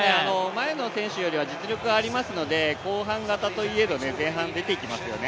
前の選手よりは実力がありますので後半型といえど前半出てきますよね。